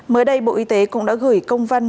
mới đây bộ y tế cũng đã gửi công văn